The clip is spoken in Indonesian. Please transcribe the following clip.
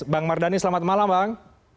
bang mardhani selamat malam bang